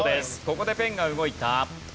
ここでペンが動いた。